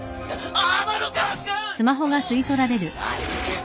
あっ！